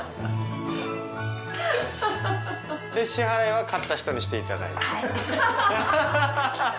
支払いは勝った人にしていただいて。